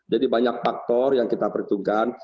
jadi banyak faktor yang kita perhitungkan